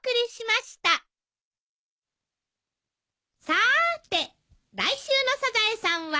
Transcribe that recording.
さーて来週の『サザエさん』は？